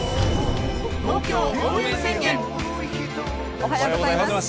おはようございます。